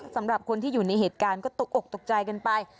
สำหรับคนที่อยู่ในเหตุการณ์ก็ตกอกตกใจกันไป